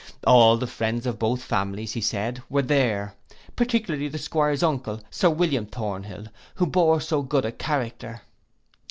All the friends of both families, he said, were there, particularly the 'Squire's uncle, Sir William Thornhill, who bore so good a character.